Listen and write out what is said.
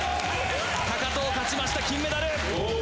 藤勝ちました金メダル。